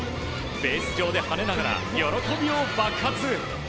ベース上で跳ねながら喜びを爆発。